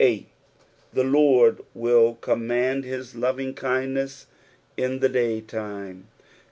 "Tet the Lord mil command hit lovingkindnet* in the dnj/titne."